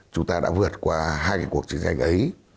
chúng ta đã vượt qua hai cái cuộc chiến tranh ấy